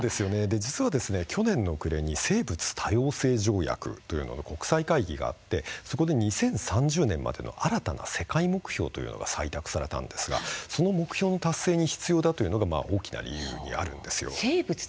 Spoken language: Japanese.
実は去年の暮れに生物多様性条約という国際会議があって、そこで２０３０年までの新たな世界目標が採択されたんですがその目標の達成に必要だというのが大きな理由にあるんです。